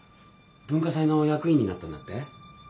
文化祭の役員になったんだって？